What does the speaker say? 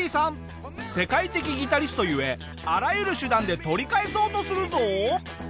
世界的ギタリストゆえあらゆる手段で取り返そうとするぞ。